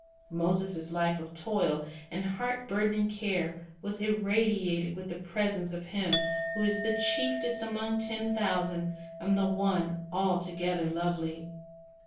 Moses' life of toil and heart burdening care was irra diated with the presence of Him who is "the chiefest among ten thousand," and the One "altogether lovely."